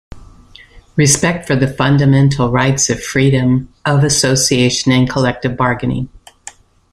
Respect for the fundamental rights of freedom of association and collective bargaining.